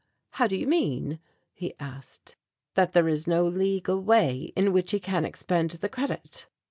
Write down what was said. "How do you mean," he asked, "that there is no legal way in which he can expend the credit?"